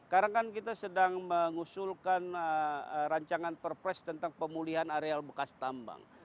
karena kan kita sedang mengusulkan rancangan perpres tentang pemulihan areal bekas tambang